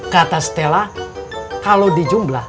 kata stella kalau di jumlah